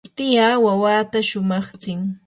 tiyaa wawata shumaqtsin.